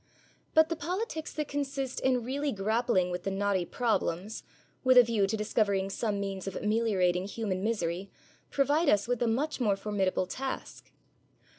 But the politics that consist in really grappling with the knotty problems, with a view to discovering some means of ameliorating human misery, provide us with a much more formidable task.